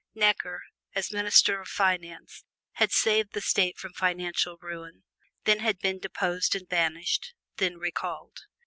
Necker, as Minister of Finance, had saved the State from financial ruin; then had been deposed and banished; then recalled.